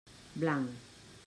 Blanc.